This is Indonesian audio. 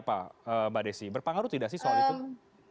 jadi apa mbak desi berpengaruh tidak sih soal itu